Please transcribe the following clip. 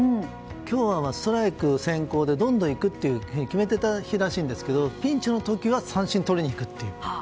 今日はストライク先行でどんどん行くと決めてた日らしいんですけどピンチの時は三振を取りに行くっていう。